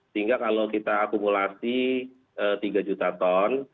sehingga kalau kita akumulasi tiga juta ton